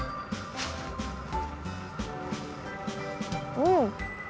うん！